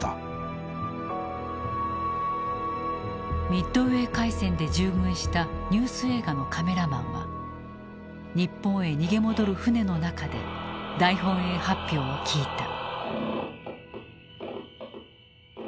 ミッドウェー海戦で従軍したニュース映画のカメラマンは日本へ逃げ戻る船の中で大本営発表を聞いた。